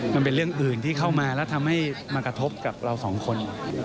มันเป็นเรื่องอื่นที่เข้ามาแล้วทำให้มากระทบกับเราสองคน